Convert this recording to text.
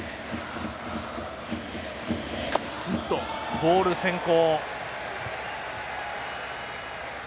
ボール先行。